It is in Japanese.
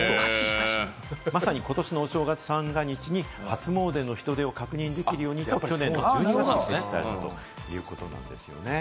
ことしのお正月三が日に初詣の人出を確認できるようにと去年の１２月に設置されたということなんです。